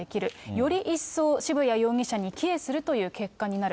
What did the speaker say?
より一層、渋谷容疑者に帰依するという結果になる。